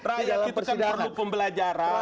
rakyat kita perlu pembelajaran